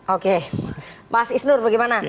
oke mas isnur bagaimana